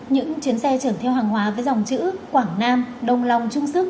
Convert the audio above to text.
những chuyến xe trở theo hàng hóa với dòng chữ quảng nam đồng lòng chung sức